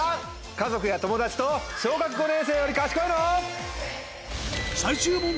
家族や友達と小学５年生より賢いの？